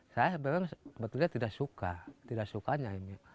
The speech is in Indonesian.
saya memang sebetulnya tidak suka tidak sukanya ini